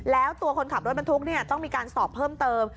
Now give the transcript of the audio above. แล้วตัวคนขับรถบรรทุกต้องมีการสอบเพิ่มเติม